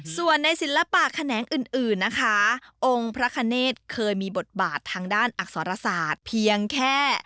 ส่วนในศิลปะแขนงอื่นนะคะองค์พระคเนธเคยมีบทบาททางด้านอักษรศาสตร์เพียงแค่